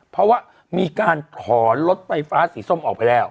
เพราะว่ามีการถอนรถไฟฟ้าสีส้มออกไปแล้ว